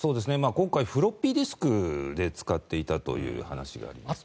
今回フロッピーディスクで使っていたという話がありました。